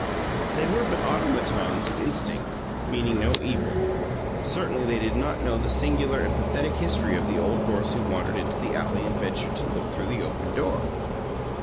They were but automatons of instinct, meaning no evil. Certainly they did not know the singular and pathetic history of the old horse who wandered into the alley and ventured to look through the open door.